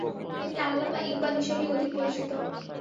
তিনি আল্লামা ইকবাল হিসেবেই অধিক পরিচিত।